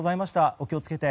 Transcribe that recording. お気をつけて。